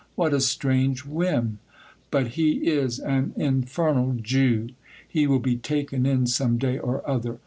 What a strange whim ! But he is an infernal Jew. He will be taken in some day or other